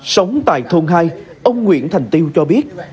sống tại thôn hai ông nguyễn thành tiêu cho biết